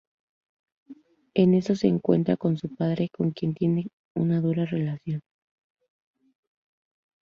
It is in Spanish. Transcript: En eso se encuentra con su padre con quien tiene una dura relación.